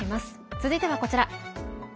続いてはこちら。